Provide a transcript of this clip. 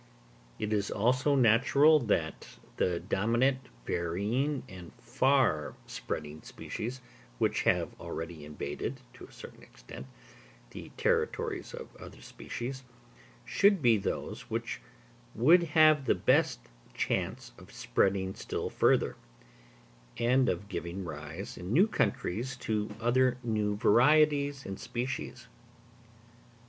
It is also natural that the dominant, varying and far spreading species, which have already invaded, to a certain extent, the territories of other species, should be those which would have the best chance of spreading still further, and of giving rise in new countries to other new varieties and species.